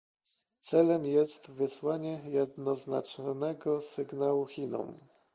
Celem jest wysłanie jednoznacznego sygnału Chinom